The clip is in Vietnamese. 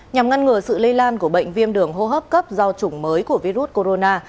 nhằm ngăn ngừa sự lây lan của bệnh viêm đường hô hấp cấp do chủng mới của virus corona